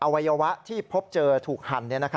วัยวะที่พบเจอถูกหั่น